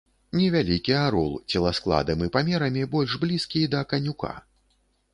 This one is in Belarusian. Невялікі арол, целаскладам і памерамі больш блізкі да канюка.